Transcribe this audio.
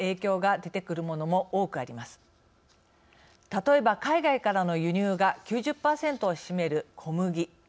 例えば海外からの輸入が９０％を占める小麦。